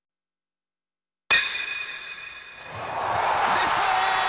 レフトへ！